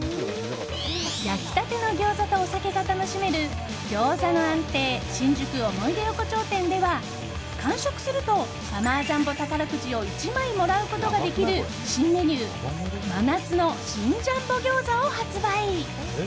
焼きたてのギョーザとお酒が楽しめる餃子の安亭新宿思い出横丁店では完食するとサマージャンボ宝くじを１枚もらうことができる新メニュー真夏のシン・ジャンボ餃子を発売。